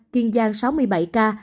kiên giang sáu một mươi bảy ca